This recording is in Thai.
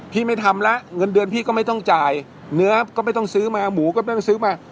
ไม่ทำแล้วเงินเดือนพี่ก็ไม่ต้องจ่ายเนื้อก็ไม่ต้องซื้อมาหมูก็ไม่ไปซื้อมา